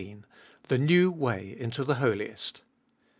1 18. The New Way into the Holiest.